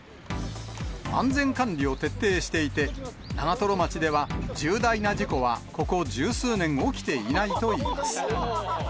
安全管理を徹底していて、長瀞町では重大な事故はここ十数年、起きていないといいます。